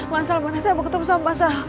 masal mana saya mau ketemu sama